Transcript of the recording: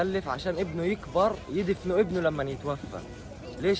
agar anaknya besar dan membunuh anaknya ketika mati